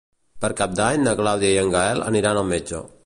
Per Cap d'Any na Clàudia i en Gaël aniran al metge.